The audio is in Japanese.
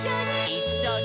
「いっしょに」